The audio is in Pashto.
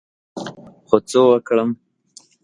خو څه وکړم ؟